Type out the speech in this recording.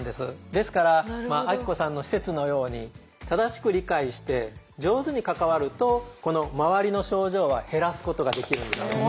ですからあきこさんの施設のように正しく理解して上手に関わるとこの周りの症状は減らすことができるんです。